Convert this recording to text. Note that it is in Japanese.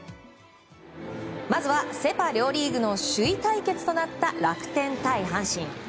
まずはセ・パ両リーグの首位対決となった楽天対阪神。